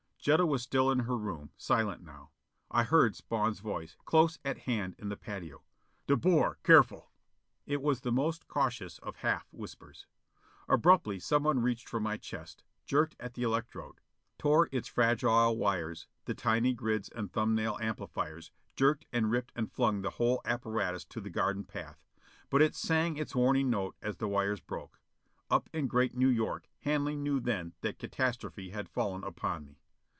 Jetta was still in her room, silent now. I heard Spawn's voice, close at hand in the patio. "De Boer! Careful!" It was the most cautious of half whispers. Abruptly someone reached for my chest; jerked at the electrode; tore its fragile wires the tiny grids and thumbnail amplifiers; jerked and ripped and flung the whole little apparatus to the garden path. But it sang its warning note as the wires broke. Up in Great New York Hanley knew then that catastrophe had fallen upon me.